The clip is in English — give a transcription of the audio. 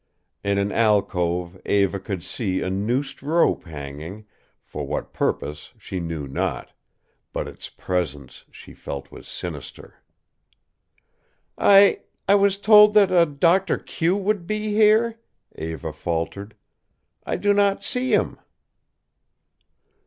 In an alcove Eva could see a noosed rope hanging, for what purpose she knew not. But its presence she felt was sinister. "I I was told that a Doctor Q would be here," Eva faltered. "I do not see him."